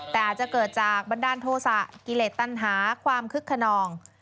แต่อาจจะเกิดจากบันดาลโทษะกิเลสตัญหาความคึกขนอง